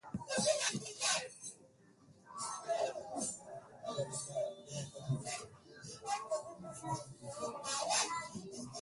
Mapigano baina ya polisi yameuwa takriban watu mia moja tangu wakati huo